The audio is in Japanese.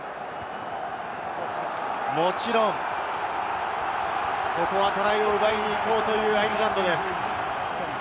もちろん、ここはトライを奪いに行こうというアイルランドです。